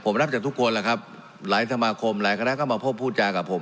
ผมรับจากทุกคนแหละครับหลายสมาคมหลายคณะก็มาพบพูดจากับผม